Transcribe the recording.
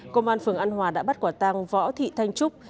công an phường an hòa đã bắt quả tăng võ thị thanh trúc